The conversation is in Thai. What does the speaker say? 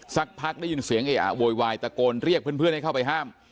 สักพักได้ยินเสียงเออะโวยวายตะโกนเรียกเพื่อนให้เข้าไปห้าม